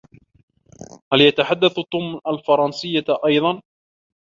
هل يتحدث توم الفرنسية ايضا؟